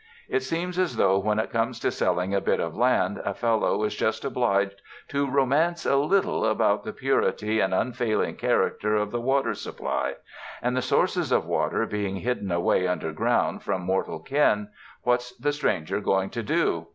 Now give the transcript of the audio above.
It seems as though when it comes to selling a bit of land a fellow is just obliged to romance a little about the purity and unfailing character of the water sup ply; and the sources of water being hidden away underground from mortal ken, what's the stranger going to do?